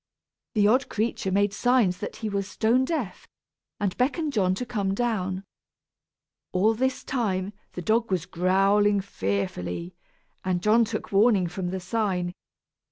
The odd creature made signs that he was stone deaf, and beckoned John to come down. All this time, the dog was growling fearfully, and John took warning from the sign.